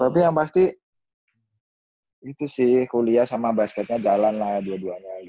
tapi yang pasti itu sih kuliah sama basketnya jalan lah dua duanya